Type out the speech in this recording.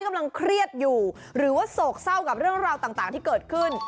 กำลังเครียดอยู่หรือว่าโศกเศร้ากับเรื่องราวต่างที่เกิดขึ้น